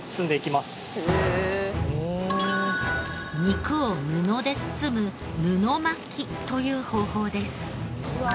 肉を布で包む布巻きという方法です。